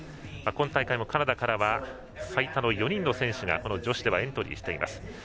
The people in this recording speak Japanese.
今大会もカナダからは最多の４人の選手が女子ではエントリーしています。